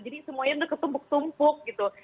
jadi semuanya itu ketumpuk tumpuk gitu